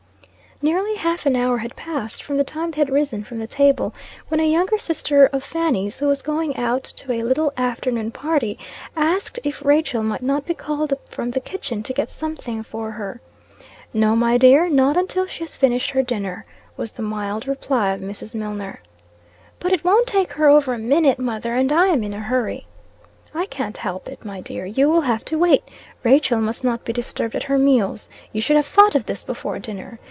Nearly half an hour had passed from the time they had risen from the table, when a younger sister of Fanny's, who was going out to a little afternoon party, asked if Rachael might not be called up from the kitchen to get something for her. "No, my dear, not until she has finished her dinner," was the mild reply of Mrs. Milnor. "But it won't take her over a minute, mother, and I am in a hurry." "I can't help it, my dear. You will have to wait. Rachael must not be disturbed at her meals. You should have thought of this before, dinner.